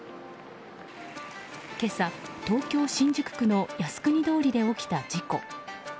今朝、東京・新宿区の靖国通りで起きた事故。